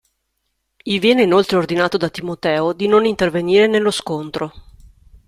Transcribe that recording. Gli viene inoltre ordinato da Timoteo di non intervenire nello scontro.